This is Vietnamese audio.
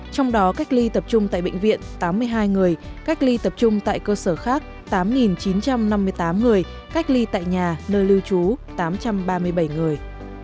trong đó cách ly tập trung tại bệnh viện tám mươi hai người cách ly tập trung tại cơ sở khác tám chín trăm năm mươi tám người cách ly tại nhà nơi lưu trú tám trăm ba mươi bảy người